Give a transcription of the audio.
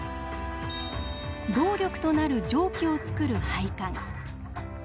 動力となる蒸気を作る配管。